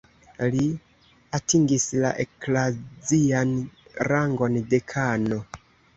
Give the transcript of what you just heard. Li atingis la eklazian rangon dekano.